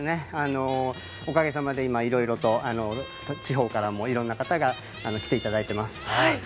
おかげさまで、今いろいろと地方からもいろんな方が来ていただいています。